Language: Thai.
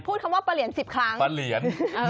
พูดคำว่าปะเหลียน๑๐ครั้งปะเหลียน๑